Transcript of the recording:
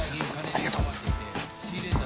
ありがとう。